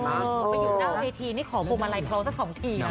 ออกไปอยู่หน้าเวทีนี่ขอพรุ่งมาลัยเคราะห์สัก๒ทีนะ